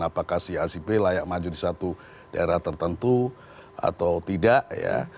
apakah si acp layak maju di satu daerah tertentu atau tidak ya